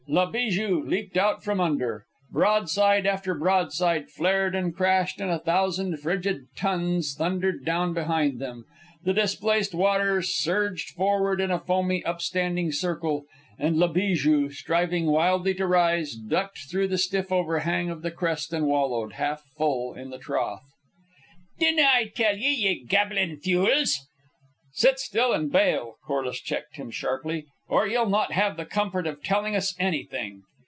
La Bijou leaped out from under. Broadside after broadside flared and crashed, and a thousand frigid tons thundered down behind them. The displaced water surged outward in a foamy, upstanding circle, and La Bijou, striving wildly to rise, ducked through the stiff overhang of the crest and wallowed, half full, in the trough. "Dinna I tell ye, ye gabbling fules!" "Sit still, and bail!" Corliss checked him sharply. "Or you'll not have the comfort of telling us anything."